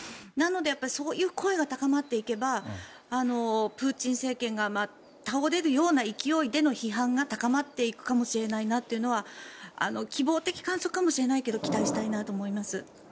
なのでそういう声が高まっていけばプーチン政権が倒れるような勢いでの批判が高まっていくかもしれないなというのは希望的観測かもしれないけど期待したいと思います。